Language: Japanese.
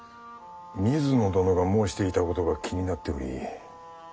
水野殿が申していたことが気になっており。